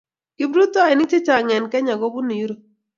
Kiprutoinik chechang eng Kenya kobunu Europe